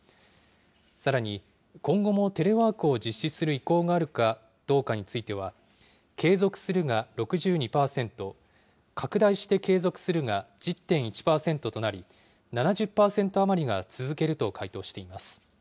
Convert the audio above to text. さらに、今後もテレワークを実施する意向があるかどうかについては、継続するが６２％、拡大して継続するが１０．１％となり、７０％余りが続けると回答しています。